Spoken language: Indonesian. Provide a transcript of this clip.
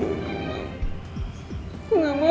aku gak mau